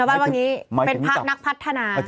เป็นนักพัฒนา